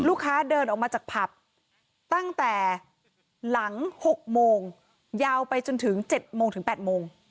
ลูกค้าเดินออกมาจากผับตั้งแต่หลังหกโมงยาวไปจนถึงเจ็ดโมงถึงแปดโมง